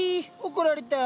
怒られた。